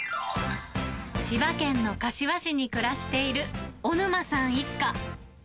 千葉県の柏市に暮らしている、小沼さん一家。